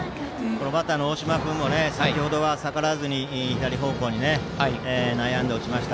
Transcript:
バッターの大島君も先程は逆らわずに左方向に内野安打を打ちました。